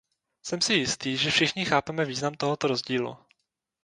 Jsem si jistý, že všichni chápeme význam tohoto rozdílu.